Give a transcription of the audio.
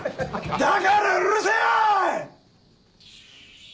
だからうるせぇよ‼